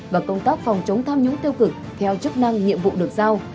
và công tác phòng chống tham nhũng tiêu cực theo chức năng nhiệm vụ được giao